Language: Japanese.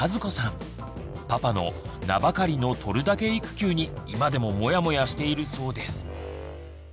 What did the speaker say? パパの「名ばかりの取るだけ育休」に今でもモヤモヤしているそうです。